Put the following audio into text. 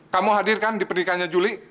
kamu hadir kan di pernikahannya juli